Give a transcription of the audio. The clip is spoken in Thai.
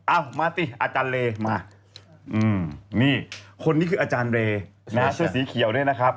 เอามาสิอาจารย์เลมานี่คนนี้คืออาจารย์เรนะฮะเสื้อสีเขียวเนี่ยนะครับ